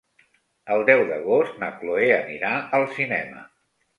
El deu d'agost na Chloé anirà al cinema.